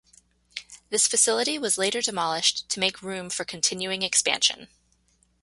This facility was later demolished to make room for continuing expansion.